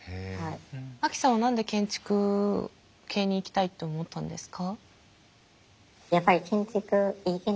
アキさんは何で建築系に行きたいって思ったんですか？